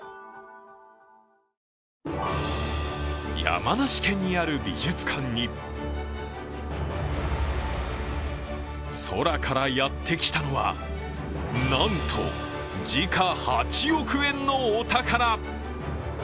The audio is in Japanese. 山梨県にある美術館に空からやってきたのは、なんと時価８億円のお宝。